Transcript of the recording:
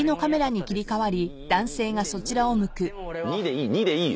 いいいい２でいい。